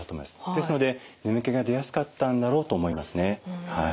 ですので眠気が出やすかったんだろうと思いますねはい。